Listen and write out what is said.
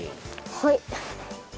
はい。